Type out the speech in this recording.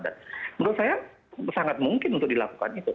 menurut saya sangat mungkin untuk dilakukan itu